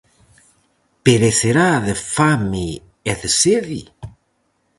Perecerá de fame e de sede?